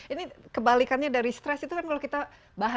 ini kebalikannya dari stress itu kan kalau kita bahagia ya